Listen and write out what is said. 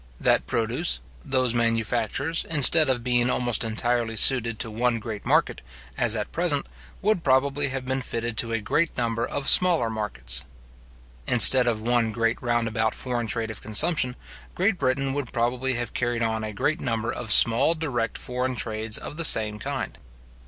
That produce, those manufactures, instead of being almost entirely suited to one great market, as at present, would probably have been fitted to a great number of smaller markets. Instead of one great round about foreign trade of consumption, Great Britain would probably have carried on a great number of small direct foreign trades of the same kind.